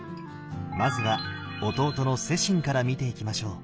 まずは弟の世親から見ていきましょう。